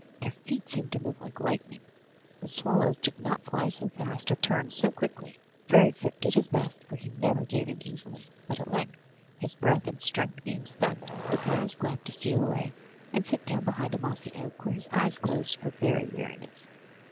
Their feet seemed to move like lightning; the swallows did not fly so fast or turn so quickly. Fairyfoot did his best, for he never gave in easily, but at length, his breath and strength being spent, the boy was glad to steal away, and sit down behind a mossy oak, where his eyes closed for very weariness.